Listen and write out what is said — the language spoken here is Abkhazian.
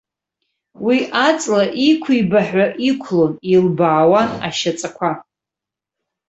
Уи аҵла иқәибаҳәа иқәлон, илбаауан ашьаҵақәа.